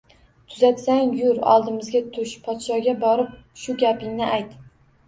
Тuzatsang, yur, oldimizga tush, podshoga borib shu gapingni ayt